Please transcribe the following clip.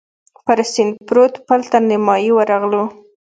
پر سیند پروت پل تر نیمايي ورغلو.